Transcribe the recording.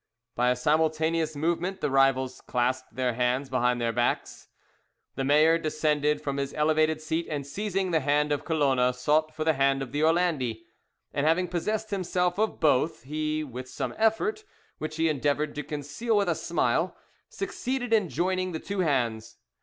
By a simultaneous movement the rivals clasped their hands behind their backs. The mayor descended from his elevated seat, and seizing the hand of Colona sought for the hand of the Orlandi, and having possessed himself of both he, with some effort, which he endeavoured to conceal with a smile, succeeded in joining the two hands.